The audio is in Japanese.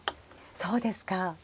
そうですか。